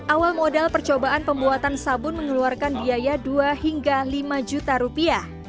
awal modal percobaan pembuatan sabun mengeluarkan biaya dua hingga lima juta rupiah